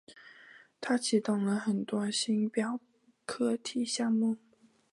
他启动了很多星表课题项目。